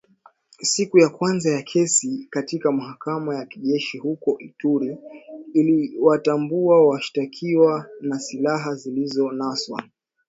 Siku ya kwanza ya kesi katika mahakama ya kijeshi huko Ituri iliwatambua washtakiwa na silaha zilizonaswa